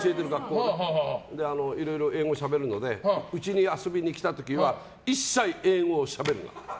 いろいろ英語をしゃべるのでうちに遊びに来た時は一切、英語をしゃべるなと。